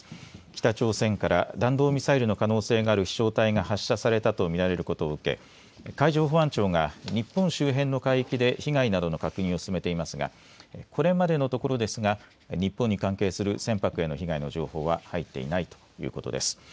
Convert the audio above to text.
北朝鮮から弾道ミサイルの可能性がある飛しょう体が発射されたと見られることを受け海上保安庁が日本周辺の海域で被害などの確認を進めていますがこれまでのところですが日本に関係する船舶への被害の情報は入っていないということです。